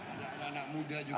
ada anak anak muda juga